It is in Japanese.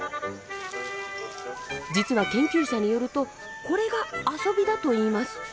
実は研究者によるとこれが遊びだといいます。